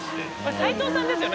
斎藤さんですよね？